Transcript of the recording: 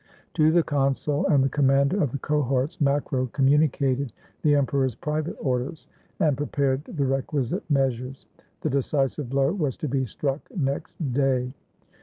To the consul and the commander of the cohorts Macro communicated the emperor's private orders, and pre 425 ROME pared the requisite measures. The decisive blow was to be struck next day.